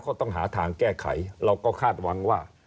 ต้องหาทางแก้ไขเราก็คาดหวังว่า